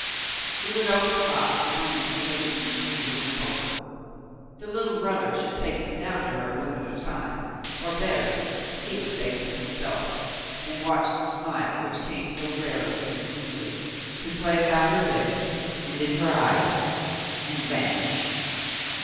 He would open the box the moment he had eaten, and look them over. The little brother should take them down to her one at a time — or better — he would take them himself and watch the smile which came so rarely and sweetly to play about her lips, and in her eyes, and vanish.